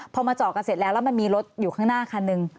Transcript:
พอมาจอดกันเสร็จแล้วแล้วมันมีรถอยู่ข้างหน้าคันหนึ่ง